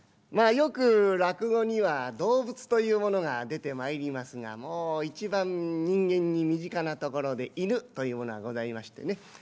まあよく落語には動物というものが出てまいりますがもう一番人間に身近なところで犬というものがございましてね